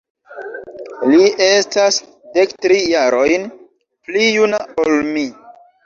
Li estas dektri jarojn pli juna ol mi.